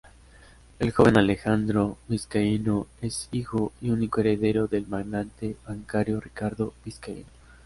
El joven Alejandro Vizcaíno es hijo y único heredero del magnate bancario Ricardo Vizcaíno.